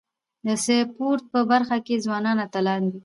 د سپورت په برخه کي ځوانان اتلان دي.